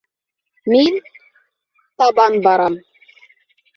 Мин... табан барам